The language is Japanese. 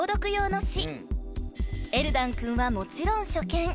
［エルダン君はもちろん初見］